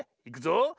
いくぞ。